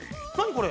これ。